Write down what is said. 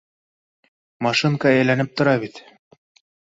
— Машинка әйләнеп тора бит.